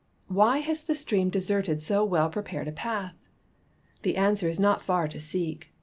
Why has the stream deserted so well ])repared a path ? The answer is not far to seek.